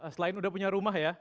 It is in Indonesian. selain udah punya rumah ya